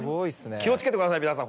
気を付けてください皆さん